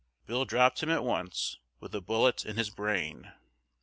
Bill dropped him at once, with a bullet in his brain.